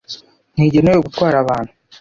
Ntigenewe gutwara abantu